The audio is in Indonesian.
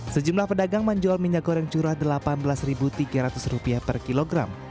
sejumlah pedagang menjual minyak goreng curah rp delapan belas tiga ratus per kilogram